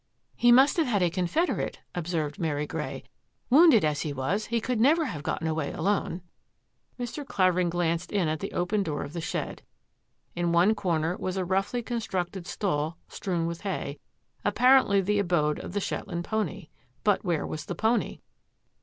" He must have had a confederate," observed Mary Grey. " Wounded as he was, he could never have gotten away alone." Mr. Clavering glanced in at the open door of the shed. In one comer was a roughly constructed stall strewn with hay, apparently the abode of the Shetland pony. But where was the pony?